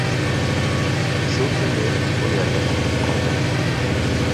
شۇ كۈنى بۇ يەردە قونۇپ قالدۇق.